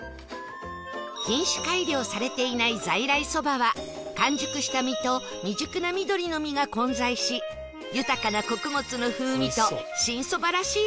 品種改良されていない在来そばは完熟した実と未熟な緑の実が混在し豊かな穀物の風味と新蕎麦らしい